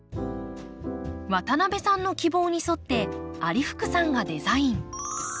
渡邊さんの希望に沿って有福さんがデザイン。